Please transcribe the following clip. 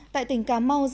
tại tỉnh cà mau